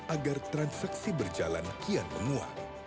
agar transaksi berjalan kian menguat